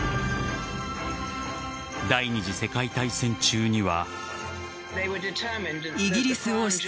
第２次世界大戦中には。